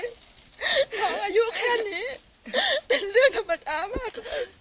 น้องอายุแค่นี้เป็นเรื่องธรรมดามาก